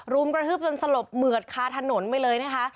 รุมกระทืบจนสลบเหมือดคาถนนไปเลยนะคะ